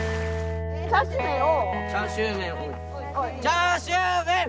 チャーシューメン！